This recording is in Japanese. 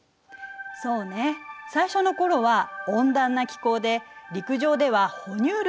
そうね最初の頃は温暖な気候で陸上では哺乳類が繁栄したのよ。